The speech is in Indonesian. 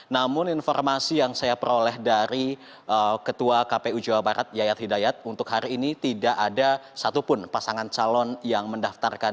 namun informasi yang saya peroleh dari ketua kpu jawa barat yayat hidayat untuk hari ini tidak ada satupun pasangan calon yang mendaftarkan